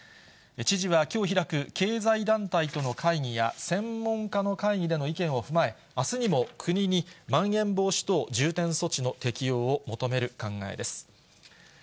知事は、きょう開く経済団体との会議や専門家の会議での意見を踏まえ、あすにも、国にまん延防止等重点措置の適用を求める考えです。